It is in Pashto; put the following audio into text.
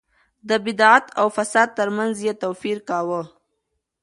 د بدعت او فساد ترمنځ يې توپير کاوه.